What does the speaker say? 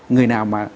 người nào mà